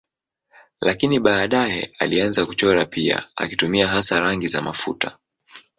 Lakini baadaye alianza kuchora pia akitumia hasa rangi za mafuta.